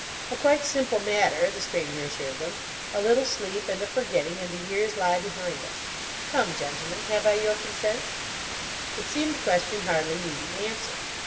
"A quite simple matter," the Stranger assured them. "A little sleep and a forgetting, and the years lie behind us. Come, gentlemen. Have I your consent?" It seemed a question hardly needing answer.